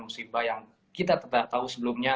musibah yang kita tidak tahu sebelumnya